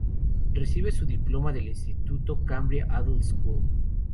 Recibe su diploma del instituto 'Cambria Adult School.